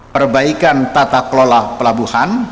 perbaikan tata kelola pelabuhan